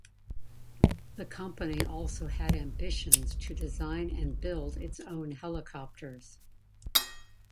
The company also had ambitions to design and build its own helicopters.